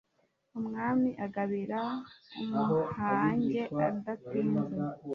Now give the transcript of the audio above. umwami agabira umuhange adatinze